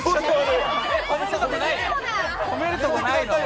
褒めるとこないの？